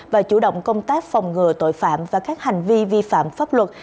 và chủ động công tác phòng ngừa tội phạm và các hành vi vi phạm pháp luật